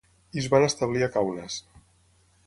I es van establir a Kaunas.